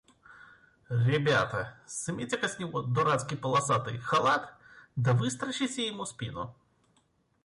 Ребята! сымите-ка с него дурацкий полосатый халат, да выстрочите ему спину.